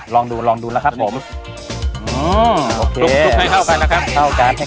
ลองดูลองดูแล้วครับผมอืมโอเคให้เข้ากันนะครับ